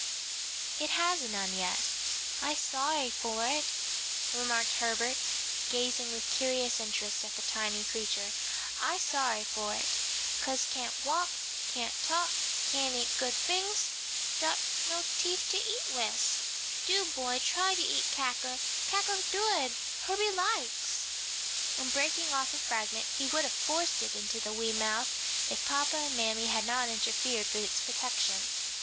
"It has none yet." "I sorry for it," remarked Herbert, gazing with curious interest at the tiny creature, "I sorry for it; cause can't walk, can't talk, can't eat good fings; dot no teef to eat wis. Do, boy, try to eat cacker, cacker dood, Herbie likes," and breaking off a fragment he would have forced it into the wee mouth, if papa and mammy had not interfered for its protection.